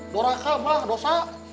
dara kak mak dosa